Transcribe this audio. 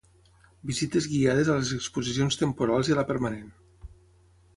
Visites guiades a les exposicions temporals i a la permanent.